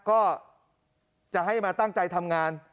ก็จะให้มาตั้งใจทำงาน